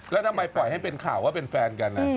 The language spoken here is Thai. แล้วทำไมปล่อยให้เป็นข่าวว่าเป็นแฟนกัน